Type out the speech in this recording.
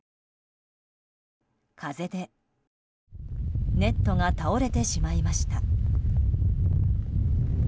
風で、ネットが倒れてしまいました。